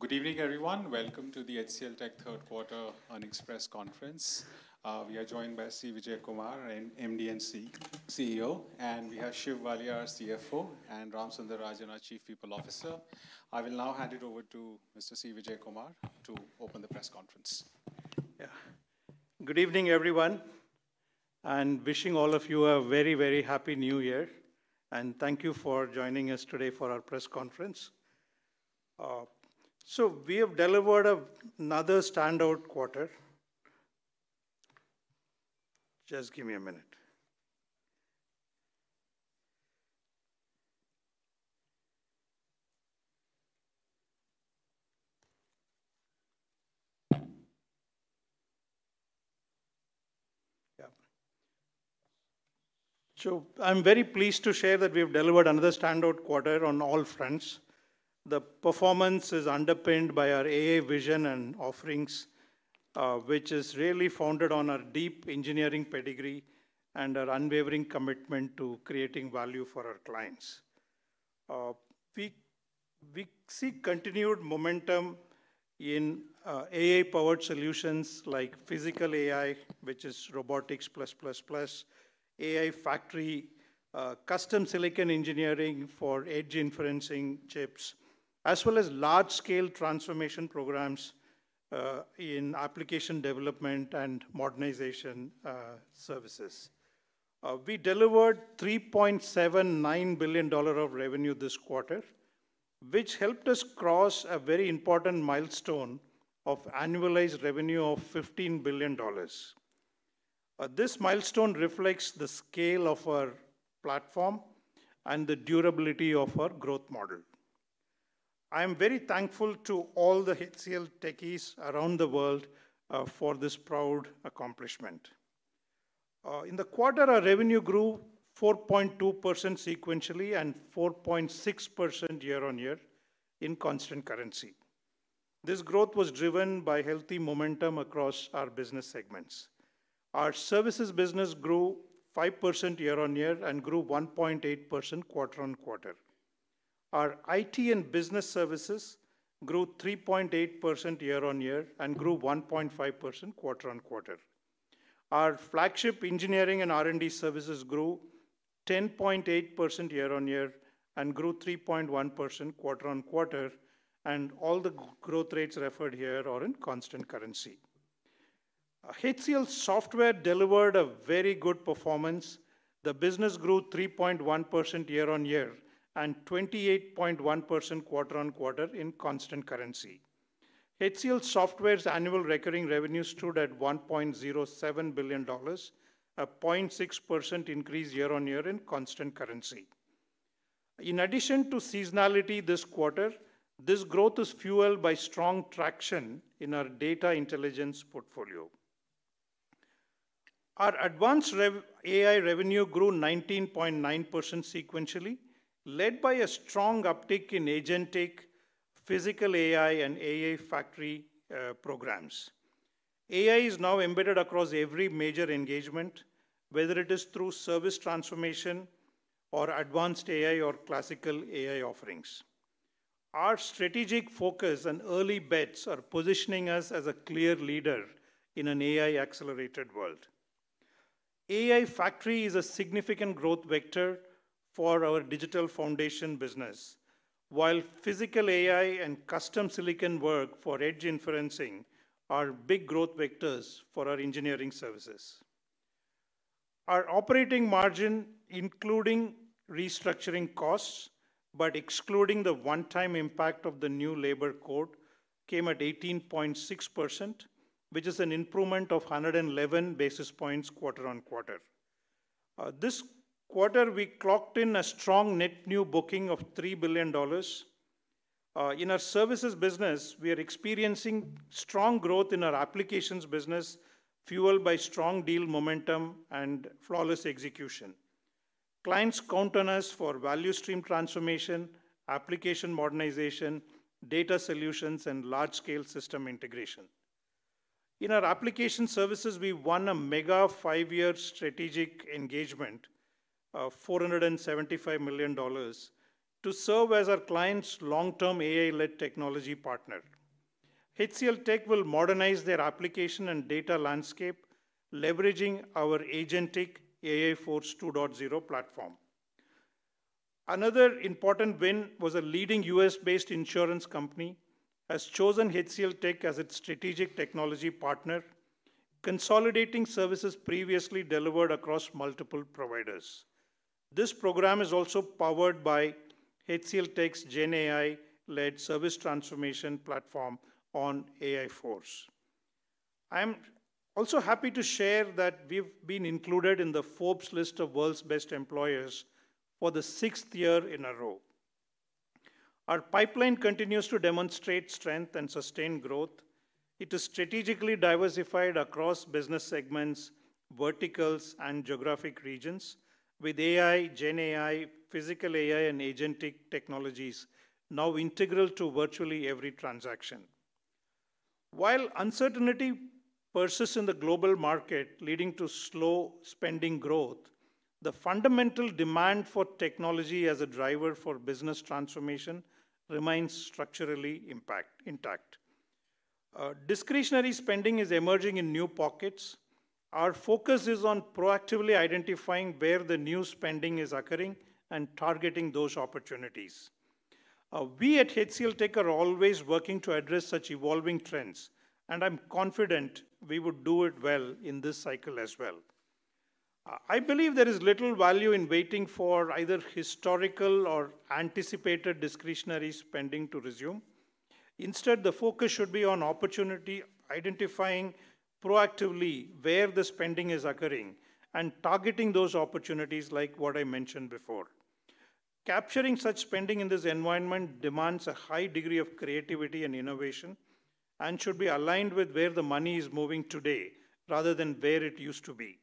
Good evening, everyone. Welcome to the HCLTech Third Quarter Earnings Press Conference. We are joined by C. Vijayakumar, MD and CEO, and we have Shiv Walia, CFO, and Ramachandran Sundararajan, our Chief People Officer. I will now hand it over to Mr. C. Vijayakumar to open the press conference. Yeah. Good evening, everyone and wishing all of you a very, very happy New Year. Thank you for joining us today for our press conference. We have delivered another standout quarter. Just give me a minute. Yeah. I'm very pleased to share that we have delivered another standout quarter on all fronts. The performance is underpinned by our AI vision and offerings, which is really founded on our deep engineering pedigree and our unwavering commitment to creating value for our clients. We see continued momentum in AI-powered solutions like Physical AI, which is Robotics++, AI Factory, custom silicon engineering for edge inferencing chips, as well as large-scale transformation programs in application development and modernization services. We delivered $3.79 billion of revenue this quarter, which helped us cross a very important milestone of annualized revenue of $15 billion. This milestone reflects the scale of our platform and the durability of our growth model. I am very thankful to all the HCLTech techies around the world for this proud accomplishment. In the quarter, our revenue grew 4.2% sequentially and 4.6% year-on-year in constant currency. This growth was driven by healthy momentum across our business segments. Our services business grew 5% year-on-year and grew 1.8% quarter-on-quarter. Our IT and Business Services grew 3.8% year-on-year and grew 1.5% quarter-on-quarter. Our flagship Engineering and R&D Services grew 10.8% year-on-year and grew 3.1% quarter-on-quarter, and all the growth rates referred here are in constant currency. HCLSoftware delivered a very good performance. The business grew 3.1% year-on-year and 28.1% quarter-on-quarter in constant currency. HCLSoftware's annual recurring revenue stood at $1.07 billion, a 0.6% increase year-on-year in constant currency. In addition to seasonality this quarter, this growth is fueled by strong traction in our data intelligence portfolio. Our advanced AI revenue grew 19.9% sequentially, led by a strong uptick in agentic Physical AI and AI Factory programs. AI is now embedded across every major engagement, whether it is through service transformation or advanced AI or classical AI offerings. Our strategic focus and early bets are positioning us as a clear leader in an AI-accelerated world. AI Factory is a significant growth vector for our Digital Foundation business, while Physical AI and custom silicon work for edge inferencing are big growth vectors for our engineering services. Our operating margin, including restructuring costs but excluding the one-time impact of the new labor code, came at 18.6%, which is an improvement of 111 basis points quarter-on-quarter. This quarter, we clocked in a strong net new booking of $3 billion. In our services business, we are experiencing strong growth in our applications business, fueled by strong deal momentum and flawless execution. Clients count on us for value stream transformation, application modernization, data solutions, and large-scale system integration. In our application services, we won a mega five-year strategic engagement, $475 million, to serve as our client's long-term AI-led technology partner. HCLTech will modernize their application and data landscape, leveraging our agentic AI Force 2.0 platform. Another important win was a leading U.S.-based insurance company has chosen HCLTech as its strategic technology partner, consolidating services previously delivered across multiple providers. This program is also powered by HCLTech's GenAI-led service transformation platform on AI Force. I am also happy to share that we have been included in the Forbes list of world's best employers for the sixth year in a row. Our pipeline continues to demonstrate strength and sustain growth. It is strategically diversified across business segments, verticals, and geographic regions, with AI, GenAI, Physical AI, and agentic technologies now integral to virtually every transaction. While uncertainty persists in the global market, leading to slow spending growth, the fundamental demand for technology as a driver for business transformation remains structurally intact. Discretionary spending is emerging in new pockets. Our focus is on proactively identifying where the new spending is occurring and targeting those opportunities. We at HCLTech are always working to address such evolving trends, and I'm confident we would do it well in this cycle as well. I believe there is little value in waiting for either historical or anticipated discretionary spending to resume. Instead, the focus should be on opportunity, identifying proactively where the spending is occurring and targeting those opportunities, like what I mentioned before. Capturing such spending in this environment demands a high degree of creativity and innovation and should be aligned with where the money is moving today rather than where it used to be.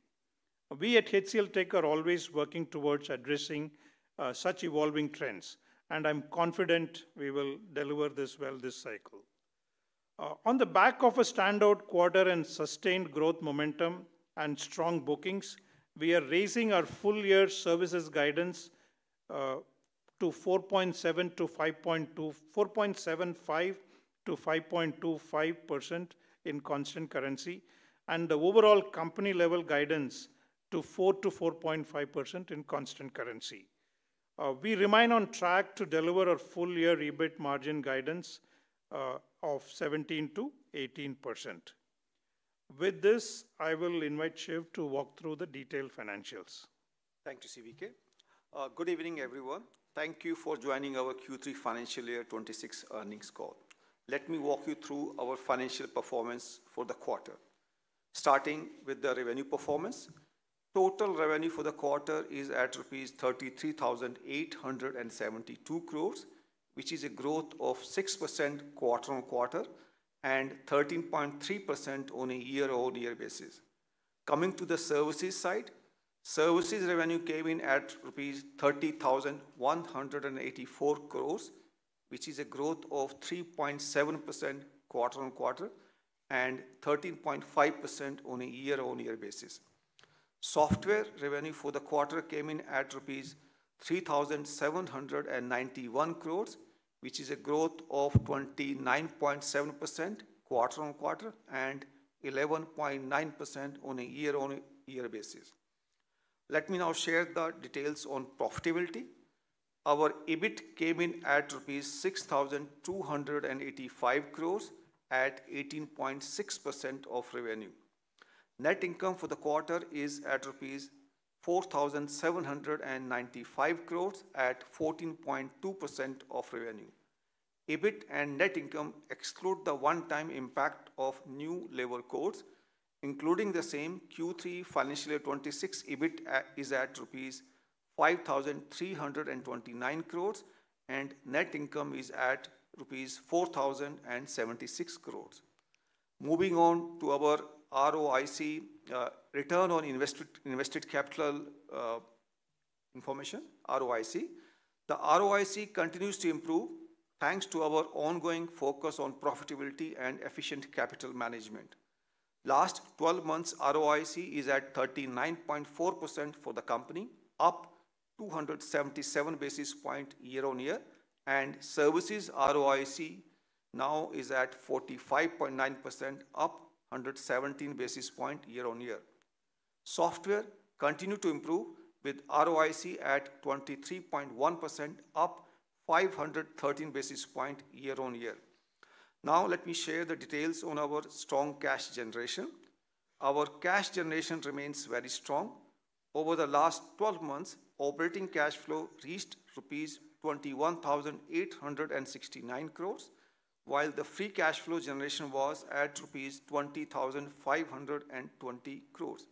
We at HCLTech are always working towards addressing such evolving trends, and I'm confident we will deliver this well this cycle. On the back of a standout quarter and sustained growth momentum and strong bookings, we are raising our full-year services guidance to 4.7% to 4.75% to 5.25% in constant currency and the overall company-level guidance to 4%-4.5% in constant currency. We remain on track to deliver a full-year EBIT margin guidance of 17%-18%. With this, I will invite Shiv to walk through the detailed financials. Thank you, C VK. Good evening, everyone. Thank you for joining our Q3 Financial Year 2026 earnings call. Let me walk you through our financial performance for the quarter, starting with the revenue performance. Total revenue for the quarter is at rupees 33,872 crores, which is a growth of 6% quarter-on-quarter and 13.3% on a year-on-year basis. Coming to the services side, services revenue came in at rupees 30,184 crores, which is a growth of 3.7% quarter-on-quarter and 13.5% on a year-on-year basis. Software revenue for the quarter came in at rupees 3,791 crores, which is a growth of 29.7% quarter-on-quarter and 11.9% on a year-on-year basis. Let me now share the details on profitability. Our EBIT came in at rupees 6,285 crores at 18.6% of revenue. Net income for the quarter is at 4,795 crores rupees at 14.2% of revenue. EBIT and net income exclude the one-time impact of new labor codes. Including the same, Q3 Financial Year 2026 EBIT is at Rs 5,329 crores, and net income is at Rs 4,076 crores. Moving on to our ROIC, Return on Invested Capital Information, ROIC. The ROIC continues to improve thanks to our ongoing focus on profitability and efficient capital management. Last 12 months, ROIC is at 39.4% for the company, up 277 basis points year-on-year, and services ROIC now is at 45.9%, up 117 basis points year-on-year. Software continues to improve with ROIC at 23.1%, up 513 basis points year-on-year. Now, let me share the details on our strong cash generation. Our cash generation remains very strong. Over the last 12 months, operating cash flow reached Rs 21,869 crores, while the free cash flow generation was at Rs 20,520 crores.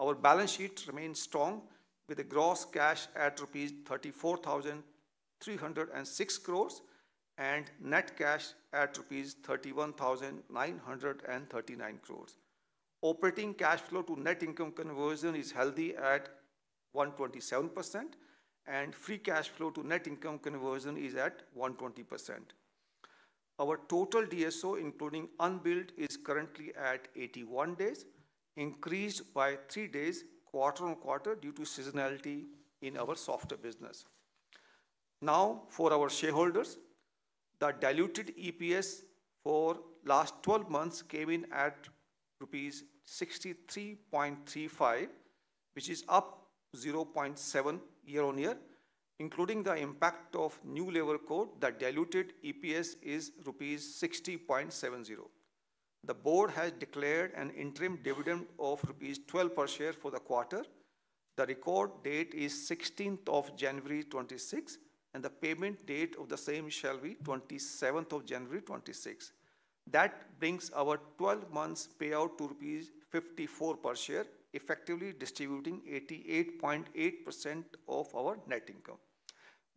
Our balance sheet remains strong with a gross cash at Rs 34,306 crores and net cash at Rs 31,939 crores. Operating cash flow to net income conversion is healthy at 127%, and free cash flow to net income conversion is at 120%. Our total DSO, including unbilled, is currently at 81 days, increased by three days quarter-on-quarter due to seasonality in our software business. Now, for our shareholders, the diluted EPS for the last 12 months came in at Rs 63.35, which is up 0.7% year-on-year. Including the impact of new labor code, the diluted EPS is Rs 60.70. The board has declared an interim dividend of Rs 12 per share for the quarter. The record date is 16th of January 2026, and the payment date of the same shall be 27th of January 2026. That brings our 12-month payout to rupees 54 per share, effectively distributing 88.8% of our net income.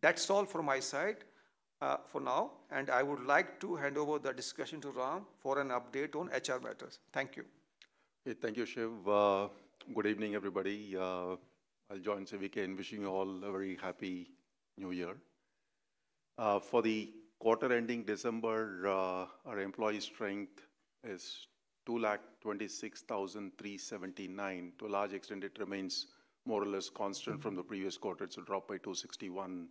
That's all from my side for now, and I would like to hand over the discussion to Ram for an update on HR matters. Thank you. Thank you, Shiv. Good evening, everybody. I'll join C VK in wishing you all a very happy New Year. For the quarter ending December, our employee strength is 226,379. To a large extent, it remains more or less constant from the previous quarter. It's a drop by 261,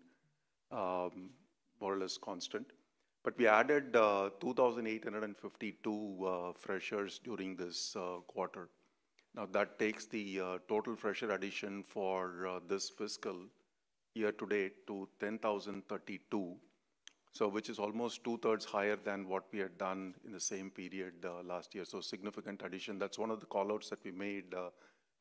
more or less constant. But we added 2,852 freshers during this quarter. Now, that takes the total fresher addition for this fiscal year to date to 10,032, which is almost two-thirds higher than what we had done in the same period last year. So, significant addition. That's one of the callouts that we made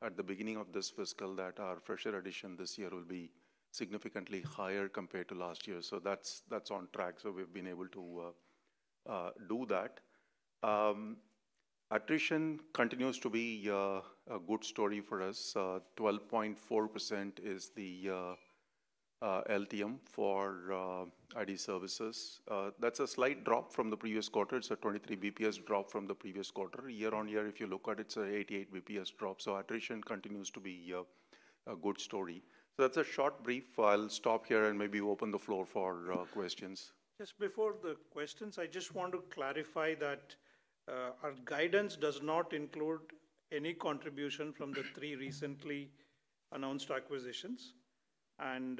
at the beginning of this fiscal that our fresher addition this year will be significantly higher compared to last year. So, that's on track. So, we've been able to do that. Attrition continues to be a good story for us. 12.4% is the LTM for IT services. That's a slight drop from the previous quarter. It's a 23 basis points drop from the previous quarter. Year-on-year, if you look at it, it's an 88 basis points drop. So, attrition continues to be a good story. So, that's a short brief. I'll stop here and maybe open the floor for questions. Just before the questions, I just want to clarify that our guidance does not include any contribution from the three recently announced acquisitions, and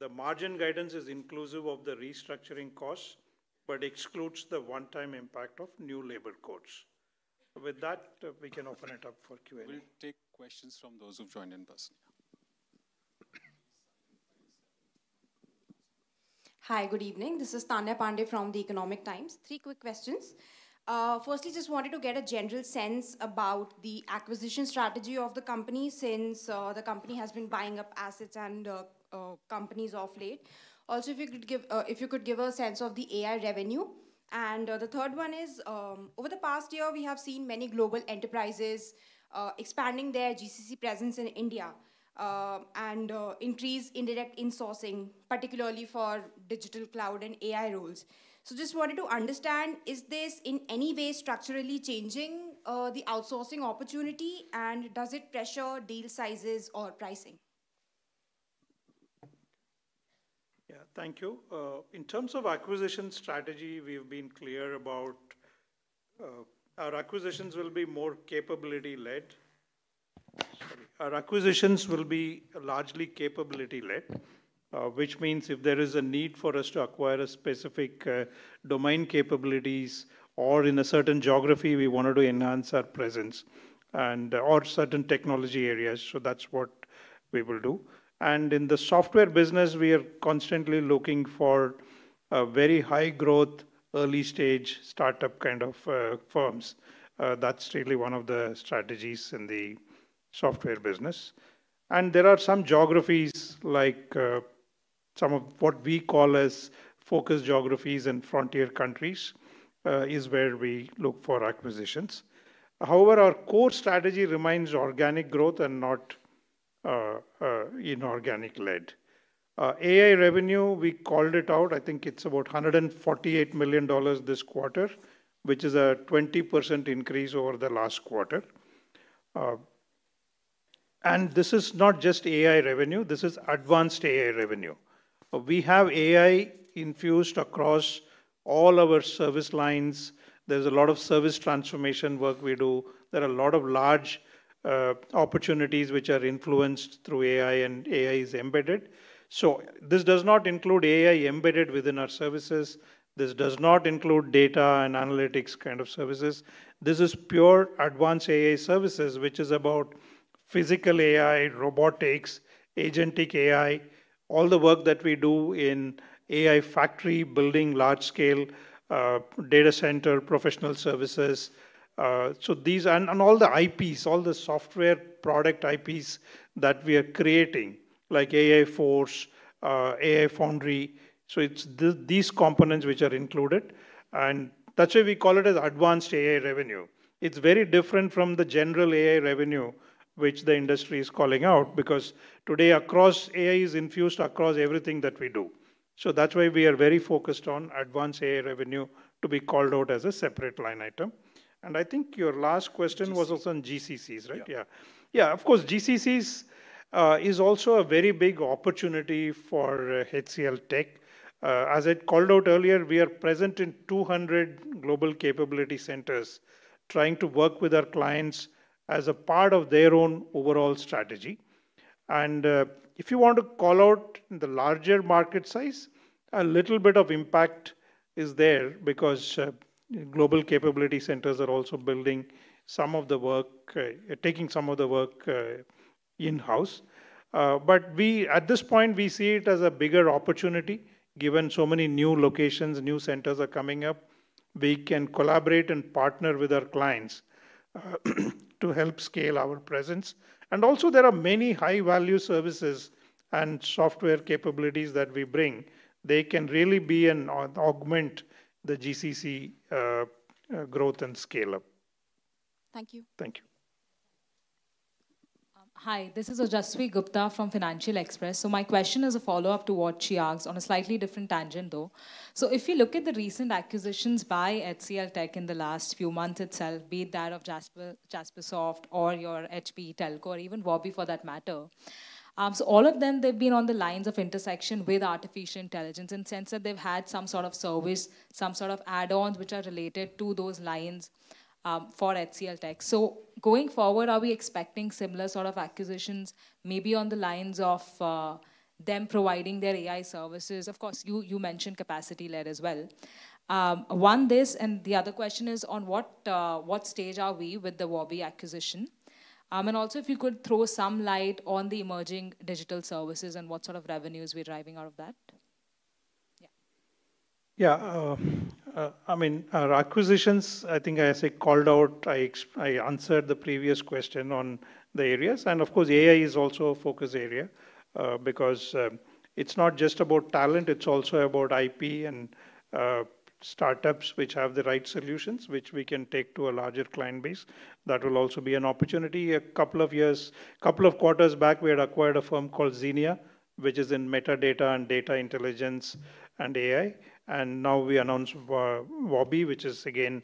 the margin guidance is inclusive of the restructuring costs but excludes the one-time impact of new labor codes. With that, we can open it up for Q&A. We'll take questions from those who've joined in person. Hi, good evening. This is Tanya Pandey from The Economic Times. Three quick questions. Firstly, just wanted to get a general sense about the acquisition strategy of the company since the company has been buying up assets and companies of late. Also, if you could give a sense of the AI revenue. And the third one is, over the past year, we have seen many global enterprises expanding their GCC presence in India and increase indirect insourcing, particularly for digital cloud and AI roles. So, just wanted to understand, is this in any way structurally changing the outsourcing opportunity, and does it pressure deal sizes or pricing? Yeah, thank you. In terms of acquisition strategy, we've been clear about our acquisitions will be more capability-led. Our acquisitions will be largely capability-led, which means if there is a need for us to acquire specific domain capabilities or in a certain geography we wanted to enhance our presence or certain technology areas, so that's what we will do. And in the software business, we are constantly looking for very high-growth, early-stage startup kind of firms. That's really one of the strategies in the software business. And there are some geographies, like some of what we call as focus geographies and frontier countries, is where we look for acquisitions. However, our core strategy remains organic growth and not inorganic-led. AI revenue, we called it out. I think it's about $148 million this quarter, which is a 20% increase over the last quarter. And this is not just AI revenue. This is advanced AI revenue. We have AI infused across all our service lines. There's a lot of service transformation work we do. There are a lot of large opportunities which are influenced through AI, and AI is embedded. So, this does not include AI embedded within our services. This does not include data and analytics kind of services. This is pure advanced AI services, which is about Physical AI, robotics, agentic AI, all the work that we do in AI factory building, large-scale data center professional services. So, these and all the IPs, all the software product IPs that we are creating, like AI Force, AI Foundry. So, it's these components which are included. And that's why we call it as advanced AI revenue. It's very different from the general AI revenue which the industry is calling out because today, AI is infused across everything that we do. That's why we are very focused on advanced AI revenue to be called out as a separate line item. I think your last question was also on GCCs, right? Yeah. Yeah, of course, GCCs is also a very big opportunity for HCLTech. As I called out earlier, we are present in 200 Global Capability Centers trying to work with our clients as a part of their own overall strategy. If you want to call out the larger market size, a little bit of impact is there because Global Capability Centers are also building some of the work, taking some of the work in-house. At this point, we see it as a bigger opportunity given so many new locations, new centers are coming up. We can collaborate and partner with our clients to help scale our presence. And also, there are many high-value services and software capabilities that we bring. They can really be an augment to the GCC growth and scale-up. Thank you. Thank you. Hi, this is Ojasvi Gupta from Financial Express. So, my question is a follow-up to what she asked on a slightly different tangent, though. So, if you look at the recent acquisitions by HCLTech in the last few months itself, be it that of Jaspersoft or your HPE Telco or even Varby for that matter, all of them, they've been on the lines of intersection with artificial intelligence in the sense that they've had some sort of service, some sort of add-ons which are related to those lines for HCLTech. So, going forward, are we expecting similar sort of acquisitions, maybe on the lines of them providing their AI services? Of course, you mentioned capacity-led as well. On this, and the other question is, at what stage are we with the Varby acquisition? And also, if you could throw some light on the emerging digital services and what sort of revenues we're driving out of that. Yeah. Yeah, I mean, our acquisitions. I think I said called out. I answered the previous question on the areas. And of course, AI is also a focus area because it's not just about talent. It's also about IP and startups which have the right solutions, which we can take to a larger client base. That will also be an opportunity. A couple of years, a couple of quarters back, we had acquired a firm called Zaloni, which is in metadata and data intelligence and AI. And now we announced Varby, which is again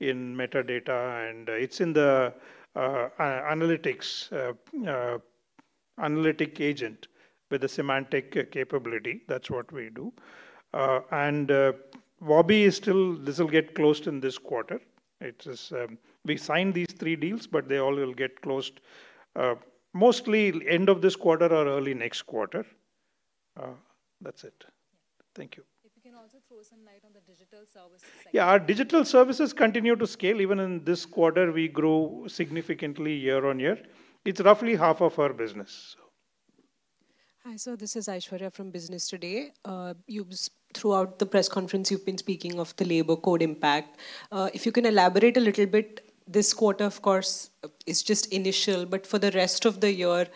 in metadata, and it's in the analytics agent with the semantic capability. That's what we do. And Varby is still, this will get closed in this quarter. We signed these three deals, but they all will get closed mostly end of this quarter or early next quarter. That's it. Thank you. If you can also throw some light on the digital services? Yeah, our digital services continue to scale. Even in this quarter, we grow significantly year-on-year. It's roughly half of our business. Hi, so this is Aishwarya from Business Today. Throughout the press conference, you've been speaking of the Labor Code impact. If you can elaborate a little bit, this quarter, of course, is just initial, but for the rest of the year,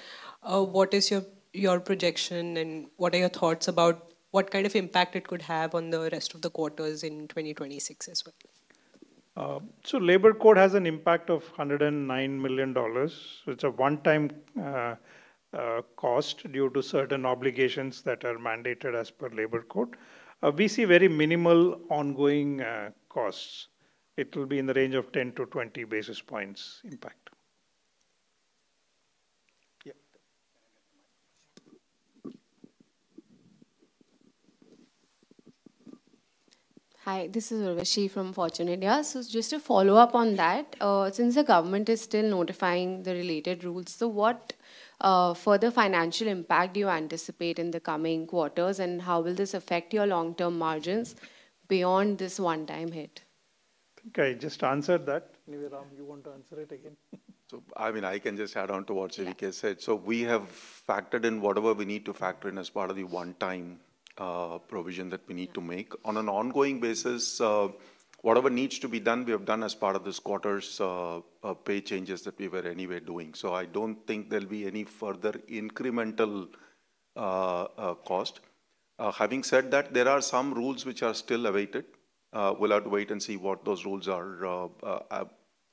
what is your projection and what are your thoughts about what kind of impact it could have on the rest of the quarters in 2026 as well? Labor Code has an impact of $109 million. It's a one-time cost due to certain obligations that are mandated as per Labor Code. We see very minimal ongoing costs. It will be in the range of 10-20 basis points impact. Hi, this is Urvashi from Fortune India. So, just to follow up on that, since the government is still notifying the related rules, so what further financial impact do you anticipate in the coming quarters, and how will this affect your long-term margins beyond this one-time hit? Okay, just answered that. Anyway, Ram, you want to answer it again? So, I mean, I can just add on to what C VK said. So, we have factored in whatever we need to factor in as part of the one-time provision that we need to make. On an ongoing basis, whatever needs to be done, we have done as part of this quarter's pay changes that we were anyway doing. So, I don't think there'll be any further incremental cost. Having said that, there are some rules which are still awaited. We'll have to wait and see what those rules are.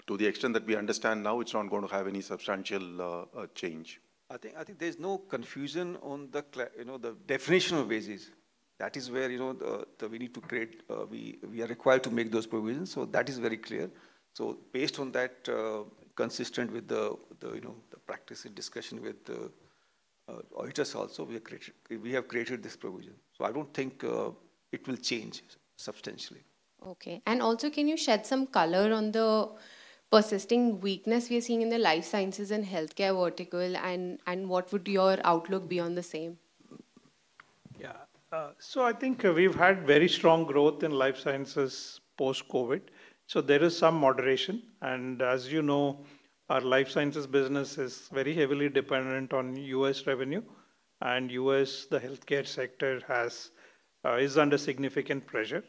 To the extent that we understand now, it's not going to have any substantial change. I think there's no confusion on the definition of basis. That is where we need to create, we are required to make those provisions. So, that is very clear. So, based on that, consistent with the practice and discussion with the auditors also, we have created this provision. So, I don't think it will change substantially. Okay. And also, can you shed some color on the persisting weakness we are seeing in the Life Sciences and healthcare vertical, and what would your outlook be on the same? Yeah. So, I think we've had very strong growth in Life Sciences post-COVID. So, there is some moderation. And as you know, our Life Sciences business is very heavily dependent on U.S. revenue. And U.S., the healthcare sector, is under significant pressure.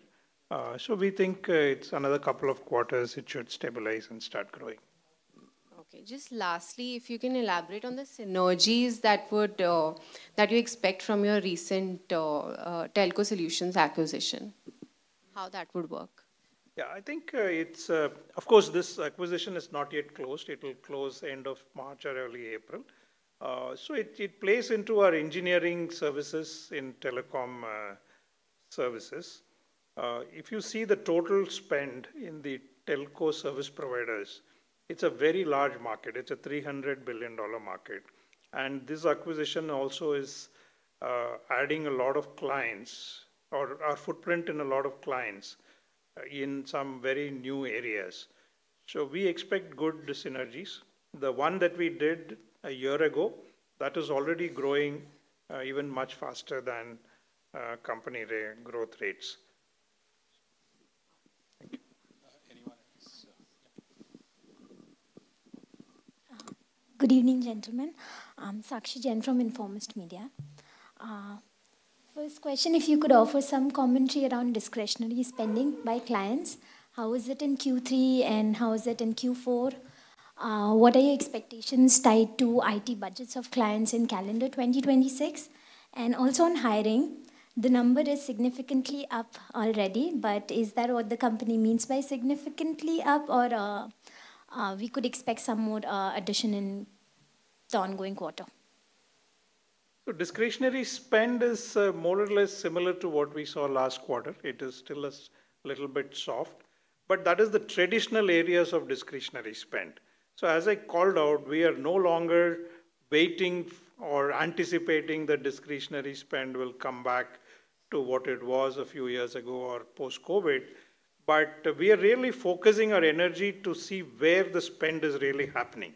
So, we think it's another couple of quarters it should stabilize and start growing. Okay. Just lastly, if you can elaborate on the synergies that you expect from your recent Telco Solutions acquisition, how that would work? Yeah, I think it's, of course, this acquisition is not yet closed. It'll close end of March or early April. So, it plays into our engineering services in telecom services. If you see the total spend in the telco service providers, it's a very large market. It's a $300 billion market. And this acquisition also is adding a lot of clients or our footprint in a lot of clients in some very new areas. So, we expect good synergies. The one that we did a year ago, that is already growing even much faster than company growth rates. Thank you. Anyone else? Good evening, gentlemen. I'm Sakshi Jain from Informist Media. First question, if you could offer some commentary around discretionary spending by clients, how is it in Q3 and how is it in Q4? What are your expectations tied to IT budgets of clients in calendar 2026, and also on hiring, the number is significantly up already, but is that what the company means by significantly up, or we could expect some more addition in the ongoing quarter? So, discretionary spend is more or less similar to what we saw last quarter. It is still a little bit soft, but that is the traditional areas of discretionary spend. So, as I called out, we are no longer waiting or anticipating that discretionary spend will come back to what it was a few years ago or post-COVID, but we are really focusing our energy to see where the spend is really happening.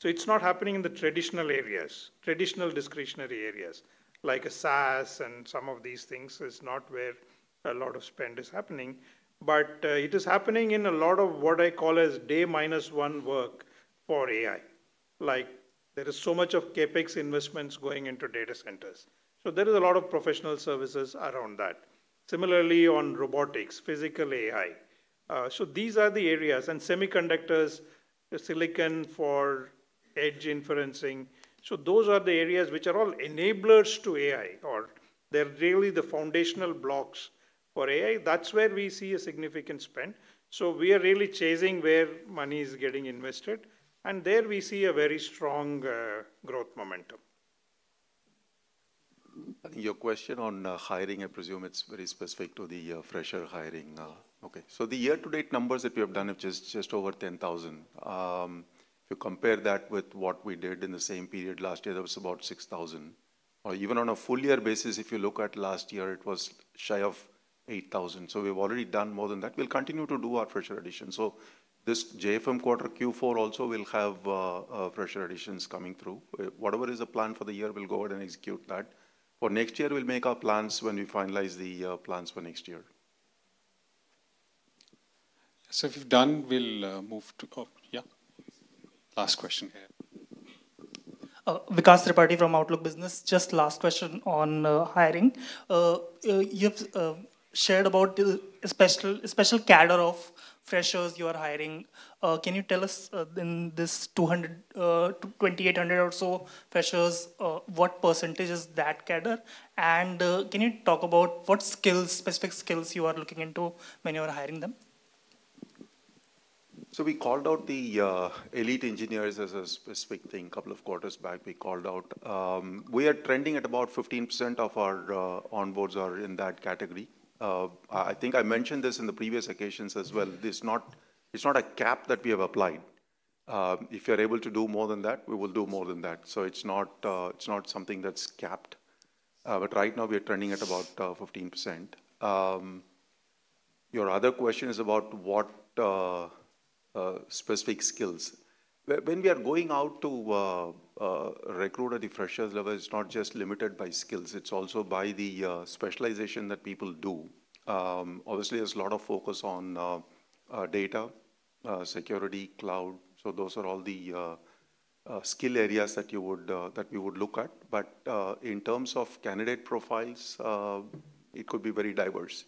So, it's not happening in the traditional areas, traditional discretionary areas like SaaS and some of these things. It's not where a lot of spend is happening, but it is happening in a lot of what I call as day minus one work for AI. Like there is so much of CapEx investments going into data centers. So, there is a lot of professional services around that. Similarly, on robotics, Physical AI. So, these are the areas. Semiconductors, silicon for edge inferencing. Those are the areas which are all enablers to AI, or they're really the foundational blocks for AI. That's where we see a significant spend. We are really chasing where money is getting invested, and there we see a very strong growth momentum. Your question on hiring, I presume it's very specific to the fresher hiring. Okay. So, the year-to-date numbers that we have done are just over 10,000. If you compare that with what we did in the same period last year, that was about 6,000. Or even on a full-year basis, if you look at last year, it was shy of 8,000. So, we've already done more than that. We'll continue to do our fresher additions. So, this JFM quarter Q4 also will have fresher additions coming through. Whatever is the plan for the year, we'll go ahead and execute that. For next year, we'll make our plans when we finalize the plans for next year. So, if you've done, we'll move to, yeah, last question here. Vikas Tripathi from Outlook Business, just last question on hiring. You have shared about the special cadre of freshers you are hiring. Can you tell us, in this 2,800 or so freshers, what percentage is that cadre? And can you talk about what skills, specific skills, you are looking into when you are hiring them? We called out the Elite Engineers as a specific thing a couple of quarters back. We called out. We are trending at about 15% of our onboards are in that category. I think I mentioned this in the previous occasions as well. It's not a cap that we have applied. If you're able to do more than that, we will do more than that. It's not something that's capped. But right now, we are trending at about 15%. Your other question is about what specific skills. When we are going out to recruit at the freshers level, it's not just limited by skills. It's also by the specialization that people do. Obviously, there's a lot of focus on data, security, cloud. Those are all the skill areas that we would look at. But in terms of candidate profiles, it could be very diverse.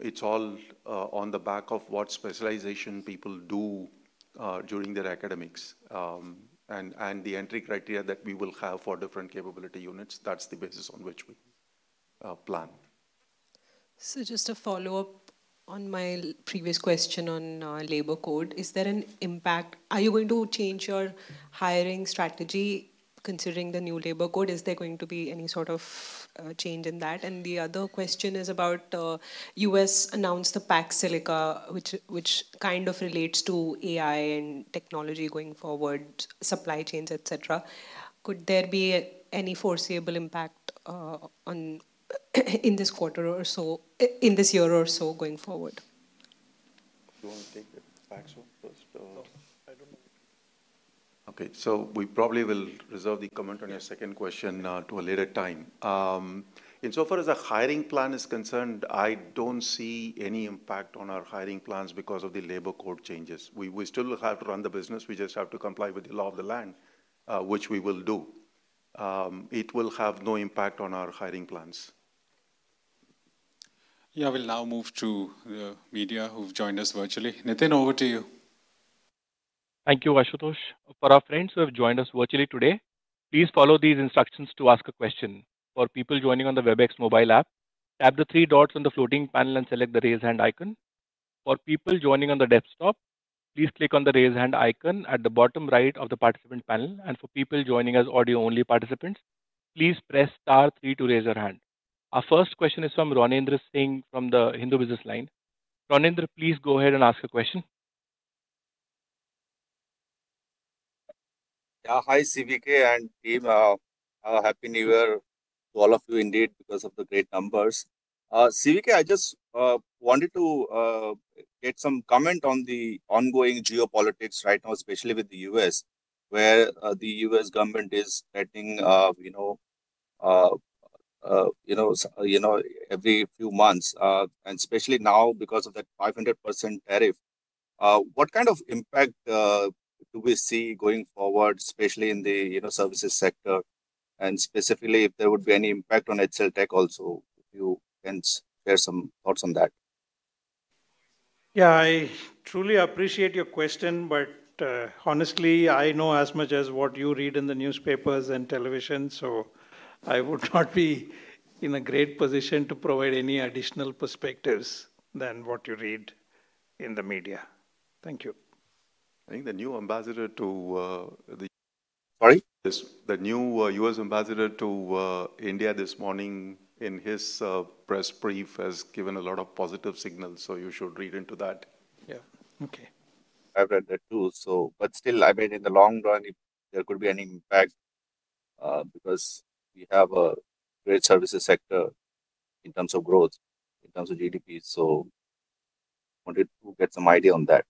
It's all on the back of what specialization people do during their academics and the entry criteria that we will have for different capability units. That's the basis on which we plan. Just a follow-up on my previous question on labor code. Is there an impact? Are you going to change your hiring strategy considering the new labor code? Is there going to be any sort of change in that? And the other question is about the U.S. announced the CHIPS Act, which kind of relates to AI and technology going forward, supply chains, etc. Could there be any foreseeable impact in this quarter or so, in this year or so going forward? Do you want to take it, Ram? No, I don't know. Okay. So, we probably will reserve the comment on your second question to a later time. Insofar as the hiring plan is concerned, I don't see any impact on our hiring plans because of the Labor Code changes. We still have to run the business. We just have to comply with the law of the land, which we will do. It will have no impact on our hiring plans. Yeah, we'll now move to the media who've joined us virtually. Nitin, over to you. Thank you, Ashutosh. For our friends who have joined us virtually today, please follow these instructions to ask a question. For people joining on the Webex mobile app, tap the three dots on the floating panel and select the raise hand icon. For people joining on the desktop, please click on the raise hand icon at the bottom right of the participant panel, and for people joining as audio-only participants, please press star three to raise your hand. Our first question is from Ronendra Singh from The Hindu Business Line. Ronendra, please go ahead and ask a question. Yeah, hi C VK and team. Happy New Year to all of you indeed because of the great numbers. C VK, I just wanted to get some comment on the ongoing geopolitics right now, especially with the U.S., where the U.S. government is threatening every few months, and especially now because of that 500% tariff. What kind of impact do we see going forward, especially in the services sector? And specifically, if there would be any impact on HCLTech also, if you can share some thoughts on that. Yeah, I truly appreciate your question, but honestly, I know as much as what you read in the newspapers and television, so I would not be in a great position to provide any additional perspectives than what you read in the media. Thank you. I think the new U.S. ambassador to India this morning in his press brief has given a lot of positive signals, so you should read into that. Yeah. Okay. I've read that too. So, but still, I mean, in the long run, there could be any impact because we have a great services sector in terms of growth, in terms of GDP. So, wanted to get some idea on that.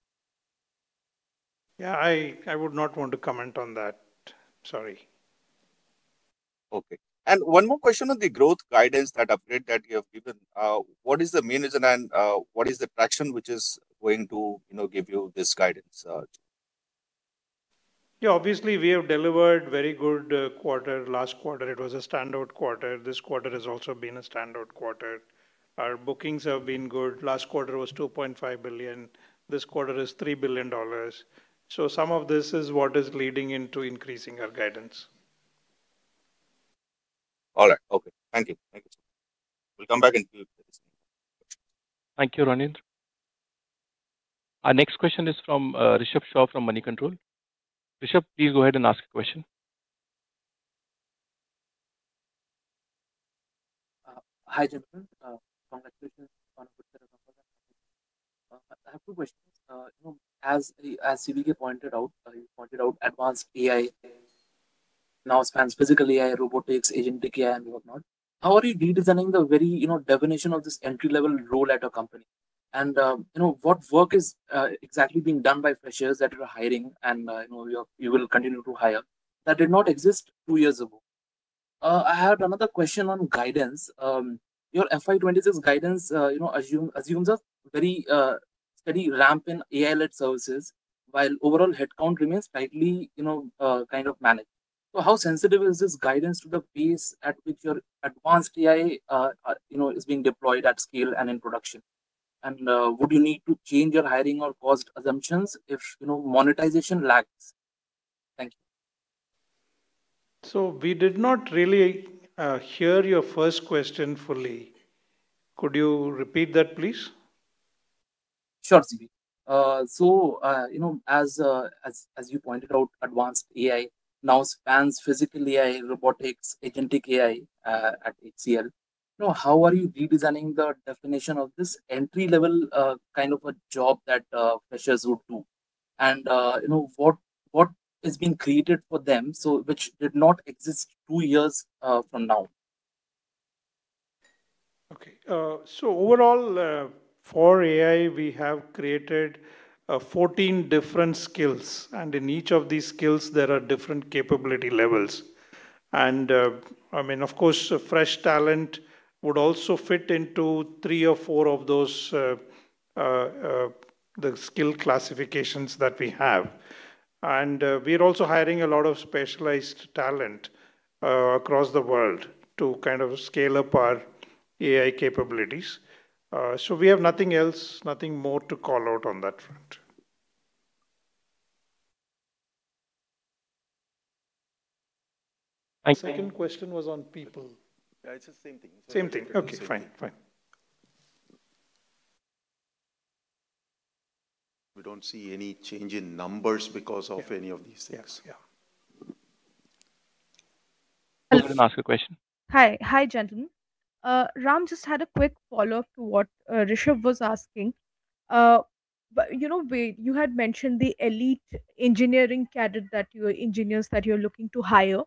Yeah, I would not want to comment on that. Sorry. Okay, and one more question on the growth guidance that upgrade that you have given. What is the main reason and what is the traction which is going to give you this guidance? Yeah, obviously, we have delivered very good quarter. Last quarter, it was a standout quarter. This quarter has also been a standout quarter. Our bookings have been good. Last quarter was $2.5 billion. This quarter is $3 billion. So, some of this is what is leading into increasing our guidance. All right. Okay. Thank you. Thank you. We'll come back and do this next question. Thank you, Ronendra. Our next question is from Rishabh Shah from Moneycontrol. Rishabh, please go ahead and ask a question. Hi, gentlemen. Congratulations. I have two questions. As C VK pointed out, you pointed out advanced AI now spans Physical AI, robotics, agentic AI, and whatnot. How are you redesigning the very definition of this entry-level role at a company, and what work is exactly being done by freshers that you're hiring and you will continue to hire that did not exist two years ago? I have another question on guidance. Your FY26 guidance assumes a very steady ramp in AI-led services while overall headcount remains tightly kind of managed, so how sensitive is this guidance to the pace at which your advanced AI is being deployed at scale and in production, and would you need to change your hiring or cost assumptions if monetization lags? Thank you. So, we did not really hear your first question fully. Could you repeat that, please? Sure, C VK. So, as you pointed out, advanced AI now spans Physical AI, robotics, agentic AI at HCL. How are you redesigning the definition of this entry-level kind of a job that freshers would do? And what is being created for them which did not exist two years from now? Okay, so overall, for AI, we have created 14 different skills, and in each of these skills, there are different capability levels. I mean, of course, fresh talent would also fit into three or four of those skill classifications that we have, and we're also hiring a lot of specialized talent across the world to kind of scale up our AI capabilities, so we have nothing else, nothing more to call out on that front. Thank you. Second question was on people. Yeah, it's the same thing. Same thing. Okay, fine. Fine. We don't see any change in numbers because of any of these things. Yeah. I'll ask a question. Hi, hi, gentlemen. Ram just had a quick follow-up to what Rishabh was asking. You had mentioned the elite engineering cadre that you are engineers that you're looking to hire.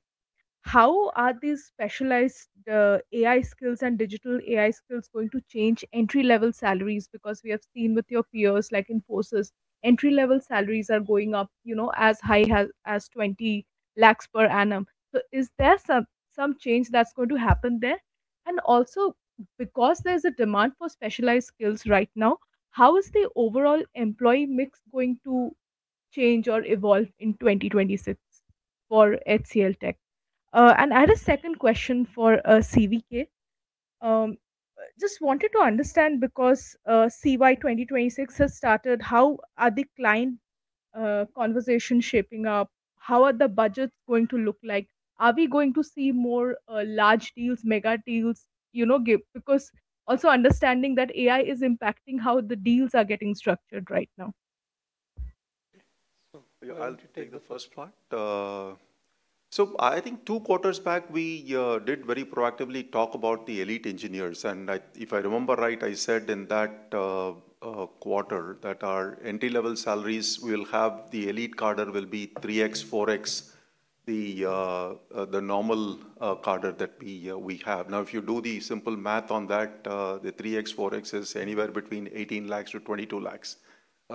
How are these specialized AI skills and digital AI skills going to change entry-level salaries? Because we have seen with your peers, like Infosys, entry-level salaries are going up as high as 20 lakhs per annum. So, is there some change that's going to happen there? And also, because there's a demand for specialized skills right now, how is the overall employee mix going to change or evolve in 2026 for HCLTech? And I had a second question for C VK. Just wanted to understand because CY 2026 has started, how are the client conversations shaping up? How are the budgets going to look like? Are we going to see more large deals, mega deals? Because also understanding that AI is impacting how the deals are getting structured right now. I'll take the first part. So, I think two quarters back, we did very proactively talk about the Elite Engineers. And if I remember right, I said in that quarter that our entry-level salaries will have the elite cadre will be 3x, 4x, the normal cadre that we have. Now, if you do the simple math on that, the 3x, 4x is anywhere between 18 lakhs to 22 lakhs.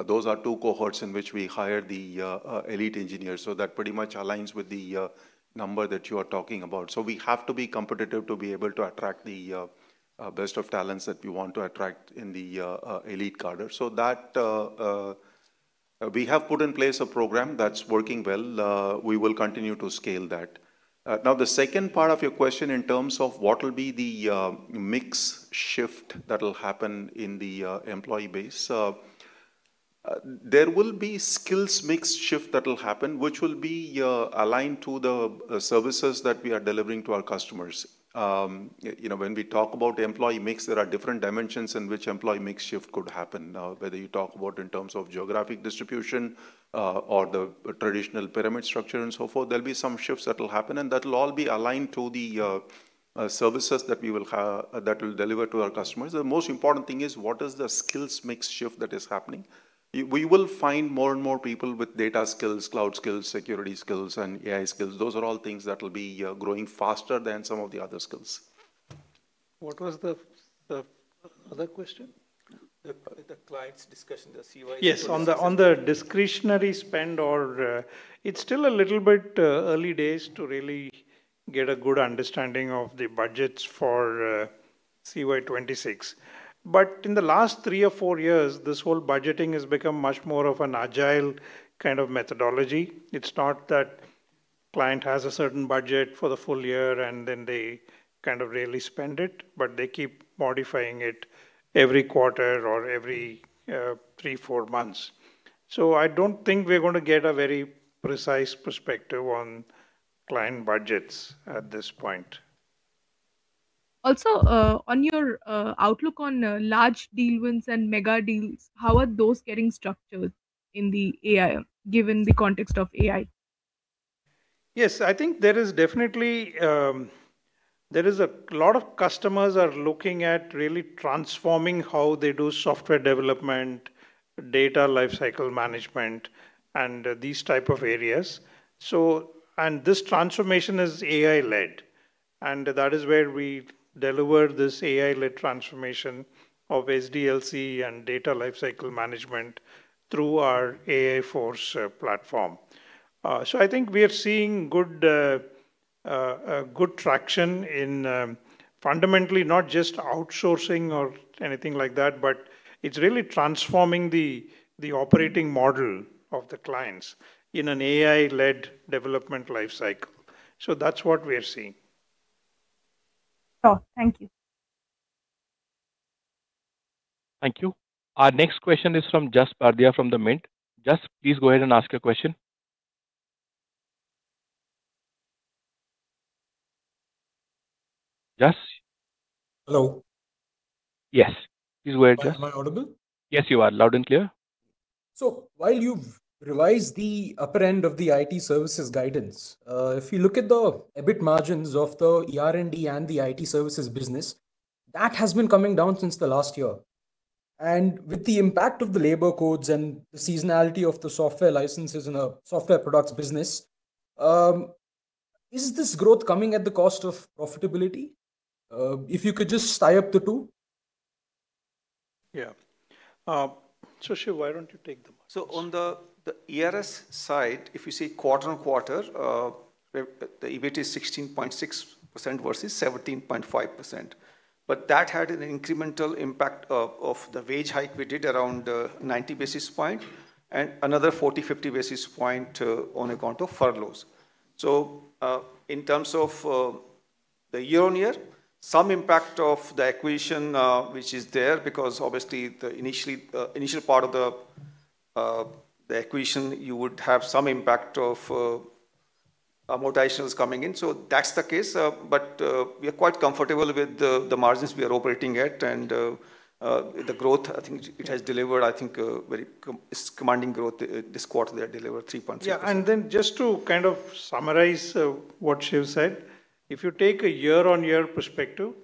Those are two cohorts in which we hire the Elite Engineers. So, that pretty much aligns with the number that you are talking about. So, we have to be competitive to be able to attract the best of talents that we want to attract in the elite cadre. So, we have put in place a program that's working well. We will continue to scale that. Now, the second part of your question in terms of what will be the mix shift that will happen in the employee base, there will be skills mix shift that will happen, which will be aligned to the services that we are delivering to our customers. When we talk about employee mix, there are different dimensions in which employee mix shift could happen. Whether you talk about in terms of geographic distribution or the traditional pyramid structure and so forth, there'll be some shifts that will happen, and that'll all be aligned to the services that we will deliver to our customers. The most important thing is what is the skills mix shift that is happening. We will find more and more people with data skills, cloud skills, security skills, and AI skills. Those are all things that will be growing faster than some of the other skills. What was the other question? The client's discussion, the CY. Yes, on the discretionary spend, it's still a little bit early days to really get a good understanding of the budgets for CY 26. But in the last three or four years, this whole budgeting has become much more of an agile kind of methodology. It's not that client has a certain budget for the full year and then they kind of really spend it, but they keep modifying it every quarter or every three, four months. So, I don't think we're going to get a very precise perspective on client budgets at this point. Also, on your outlook on large deal wins and mega deals, how are those getting structured in the AI given the context of AI? Yes, I think there is definitely a lot of customers are looking at really transforming how they do software development, data lifecycle management, and these type of areas. And this transformation is AI-led. And that is where we deliver this AI-led transformation of SDLC and data lifecycle management through our AI Force platform. So, I think we are seeing good traction in fundamentally not just outsourcing or anything like that, but it's really transforming the operating model of the clients in an AI-led development lifecycle. So, that's what we are seeing. Oh, thank you. Thank you. Our next question is from Jash Kriplani from the Mint. Jas, please go ahead and ask your question. Jas? Hello. Yes. Please go ahead, Jash. Am I audible? Yes, you are. Loud and clear. So, while you've revised the upper end of the IT services guidance, if you look at the EBIT margins of the ER&D and the IT services business, that has been coming down since the last year. And with the impact of the labor codes and the seasonality of the software licenses in a software products business, is this growth coming at the cost of profitability? If you could just tie up the two. Yeah. So Shiv, why don't you take the mic? On the ERS side, if you see quarter on quarter, the EBIT is 16.6% versus 17.5%. That had an incremental impact of the wage hike we did around 90 basis points and another 40-50 basis points on account of furloughs. In terms of the year on year, some impact of the acquisition which is there because obviously the initial part of the acquisition, you would have some impact of amortizations coming in. That's the case. We are quite comfortable with the margins we are operating at. The growth, I think it has delivered, I think very commanding growth this quarter they delivered 3.6%. Yeah, and then just to kind of summarize what Shiv said, if you take a year on year perspective,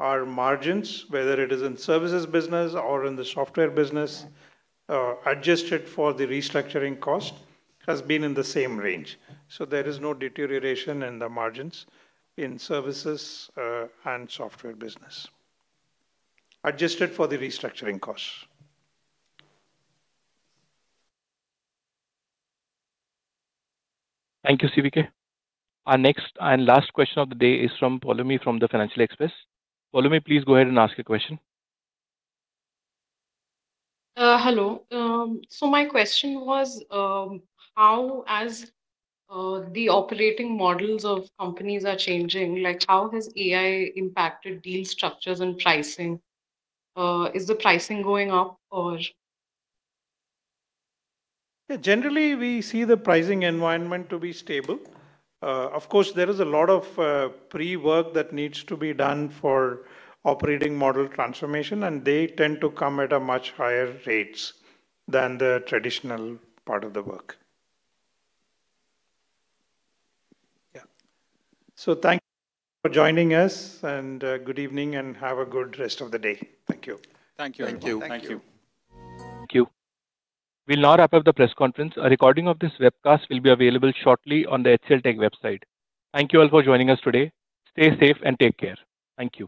our margins, whether it is in services business or in the software business, adjusted for the restructuring cost has been in the same range, so there is no deterioration in the margins in services and software business adjusted for the restructuring costs. Thank you, C VK. Our next and last question of the day is from Poulami from the Financial Express. Poulami, please go ahead and ask your question. Hello. So, my question was how, as the operating models of companies are changing, how has AI impacted deal structures and pricing? Is the pricing going up or? Generally, we see the pricing environment to be stable. Of course, there is a lot of pre-work that needs to be done for operating model transformation, and they tend to come at much higher rates than the traditional part of the work. Yeah. So, thank you for joining us and good evening and have a good rest of the day. Thank you. Thank you. Thank you. Thank you. Thank you. We'll now wrap up the press conference. A recording of this webcast will be available shortly on the HCLTech website. Thank you all for joining us today. Stay safe and take care. Thank you.